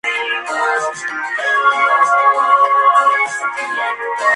Cuenta con tres naves y tres ábsides, pilares redondos y bóvedas nervadas.